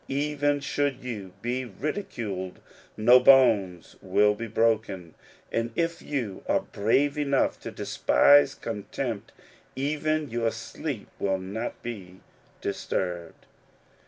Even should you be ridiculed, no bones will be broken ; and if you are brave enough to despise contempt, even your sleep will not be disturbed.